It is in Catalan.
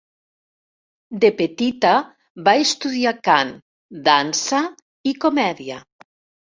De petita va estudiar cant, dansa i comèdia.